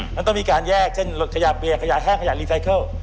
นี้มันต้องมีการแยกเช่นลดขยะเบียงขยะห้างขยะรายรวม